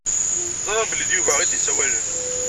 Ẓṛiɣ belli d Yuba i d-isawlen.